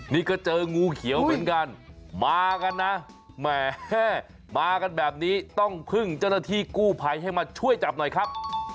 นี่ก็เจองูเขียวเหมือนกันมากันนะแหมมากันแบบนี้ต้องพึ่งเจ้าหน้าที่กู้ภัยให้มาช่วยจับหน่อยครับ